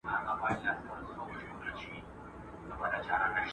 د نورو په غم کي ځان شریک کړئ.